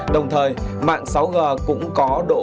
đồng thời mạng sáu g cũng có độ